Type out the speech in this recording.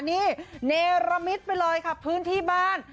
นี่เนรมิตไปเลยค่ะพื้นที่บ้าน